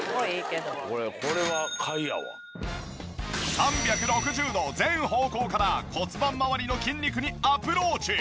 ３６０度全方向から骨盤まわりの筋肉にアプローチ。